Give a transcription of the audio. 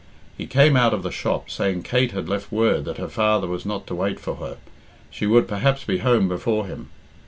He came out of the shop saying Kate had left word that her father was not to wait for her she would perhaps be home before him.